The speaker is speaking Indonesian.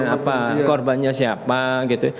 apa korbannya siapa gitu